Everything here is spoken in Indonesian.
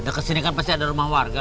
dekat sini kan pasti ada rumah warga